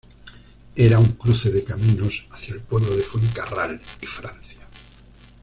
Era un cruce de caminos hacia el pueblo de Fuencarral y Francia.